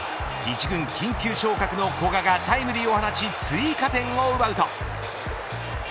１軍緊急昇格の古賀がタイムリーを放ち追加点を奪うと。